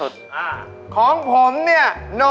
ใช่